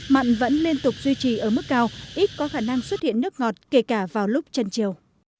mặn vẫn liên tục duy trì ở mức cao ít có khả năng xuất hiện nước ngọt kể cả vào lúc chân chiều